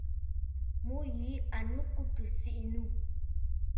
Mu yìli à nɨ kù tɨ̀ sìʼì nû.